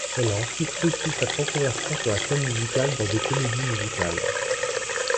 Il a ensuite réussi sa reconversion sur la scène dans des comédies musicales.